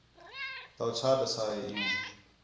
تو چھے ݙَسیا ہے عِیّوں